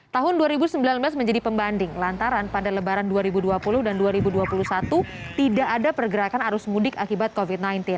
tahun dua ribu sembilan belas menjadi pembanding lantaran pada lebaran dua ribu dua puluh dan dua ribu dua puluh satu tidak ada pergerakan arus mudik akibat covid sembilan belas